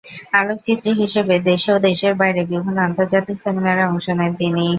আলোকচিত্রী হিসেবে দেশেও দেশের বাইরে বিভিন্ন আন্তর্জাতিক সেমিনারে অংশ নেন তিনি।